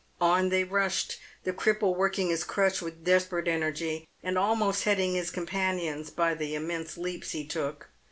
On they rushed, the cripple working his crutch with desperate energy, and almost heading his companions by the immense leaps he took.